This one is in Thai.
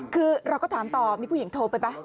คือเราก็ถามต่อมีผู้หญิงโทรไปป่ะ